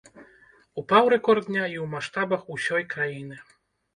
Упаў рэкорд дня і ў маштабах усёй краіны.